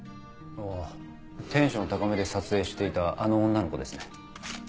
あぁテンション高めで撮影していたあの女の子ですね。